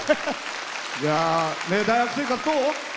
大学生活どう？